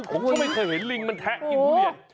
ผมก็ไม่เคยเห็นลิงมันแทะกินทุเรียน